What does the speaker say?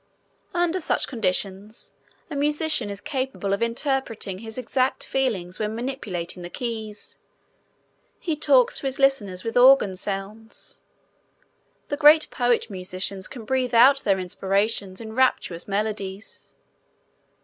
Under such conditions a musician is capable of interpreting his exact feelings when manipulating the keys. He talks to his listeners with organ sounds. The great poet musicians can breathe out their inspirations in rapturous melodies.